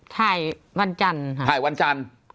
ถ่ายวันจันทร์ค่ะถ่ายวันจันทร์